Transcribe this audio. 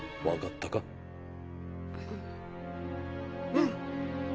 うん。